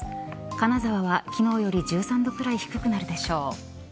金沢は昨日より１３度ぐらい低くなるでしょう。